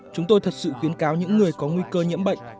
chúng tôi thật sự khuyến cáo những người có nguy cơ nhiễm bệnh